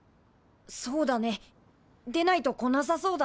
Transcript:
そうだねでないと来なさそうだ。